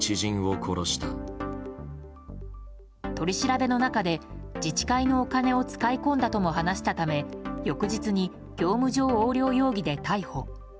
取り調べの中で自治会のお金を使い込んだとも話したため翌日に業務上横領容疑で逮捕。